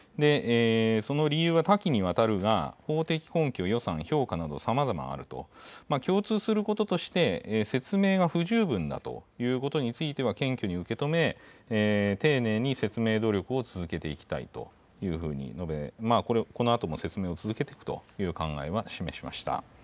その理由は多岐にわたるが、法的根拠、予算、評価などさまざまあると、共通することとして、説明が不十分だということについては謙虚に受け止め、丁寧に説明努力を続けていきたいというふうに述べ、このあとも説明を続けていくという考えは示しました。